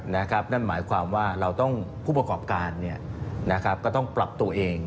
นั่นหมายความว่าเราต้องผู้ประกอบการก็ต้องปรับตัวเอง